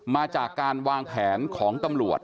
มาจากการวางแผนของตำรวจ